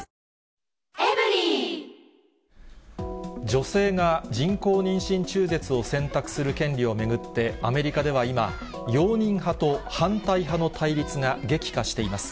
女性が人工妊娠中絶を選択する権利を巡って、アメリカでは今、容認派と反対派の対立が激化しています。